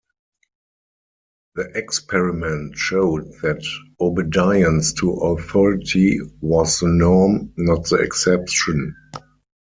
The experiment showed that obedience to authority was the norm, not the exception.